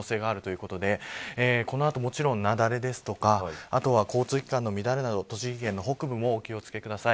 この後、もちろん雪崩ですとか交通機関の乱れなど栃木県の北部もお気を付けください。